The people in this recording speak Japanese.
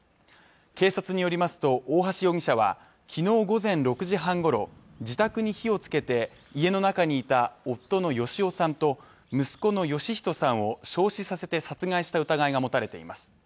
警察によりますと大橋容疑者は、昨日午前６時半ごろ、自宅に火をつけて家の中にいた夫の芳男さんと息子の芳人さんを焼死させて殺害した疑いが持たれています。